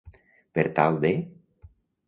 Per tal de.